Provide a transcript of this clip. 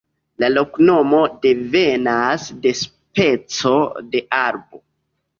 La loknomo devenas de speco de arbo.